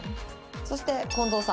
そして小野さん。